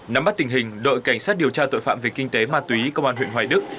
nắm bắt tình hình đội cảnh sát điều tra tội phạm về kinh tế ma túy công an huyện hoài đức